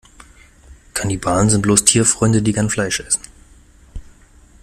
Kannibalen sind bloß Tierfreunde, die gern Fleisch essen.